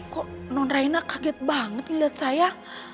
kok non raina kaget banget lihat saya